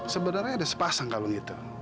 sebenarnya ada sepasang kalung itu